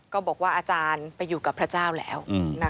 ก็บอกว่าอาจารย์ไปอยู่กับพระเจ้าแล้ว